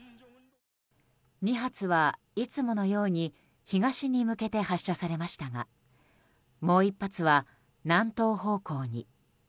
２発は、いつものように東に向けて発射されましたがもう１発は南東方向に。